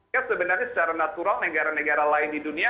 ya sebenarnya secara natural negara negara lain di dunia